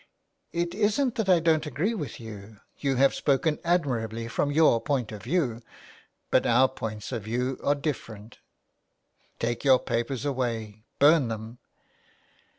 '''' It isn't that I don't agree with you. You have spoken admirably from your point of view, but our points of view are different." '' Take your papers away, burn them